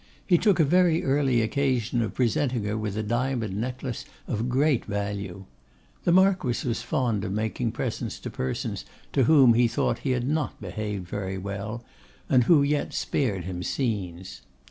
He took a very early occasion of presenting her with a diamond necklace of great value. The Marquess was fond of making presents to persons to whom he thought he had not behaved very well, and who yet spared him scenes.